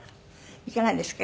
いかがですか？